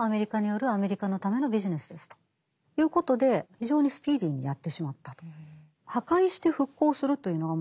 ということで非常にスピーディーにやってしまったと。